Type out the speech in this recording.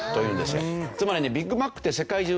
つまりねビッグマックって世界中